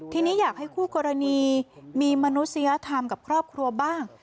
ทีนี้อยากให้คู่กรณีมีมนุษยธรรมกับครอบครัวบ้าง